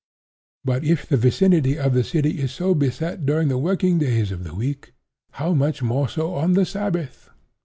But if the vicinity of the city is so beset during the working days of the week, how much more so on the Sabbath!